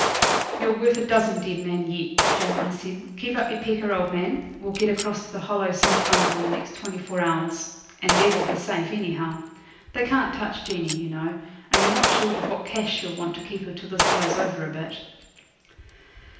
'You're worth a dozen dead men yet, Jim,' I said. 'Keep up your pecker, old man. We'll get across to the Hollow some time within the next twenty four hours, and there we'll be safe anyhow. They can't touch Jeanie, you know; and you're not short of what cash she'll want to keep her till this blows over a bit.'